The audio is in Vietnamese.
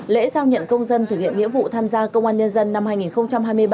lễ giao nhận công dân thực hiện nghĩa vụ tham gia công an nhân dân năm hai nghìn hai mươi ba